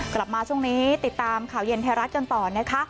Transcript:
กลับมาช่วงนี้ติดตามข่าวเย็นไทยรัฐกันต่อนะคะ